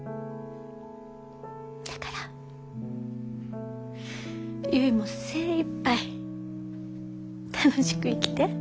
だから結も精いっぱい楽しく生きて。